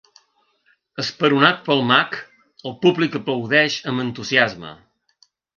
Esperonat pel mag, el públic aplaudeix amb entusiasme.